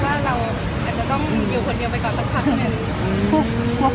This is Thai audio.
เราอาจจะต้องอยู่คนเดียวไปก่อนสักพักนะครับ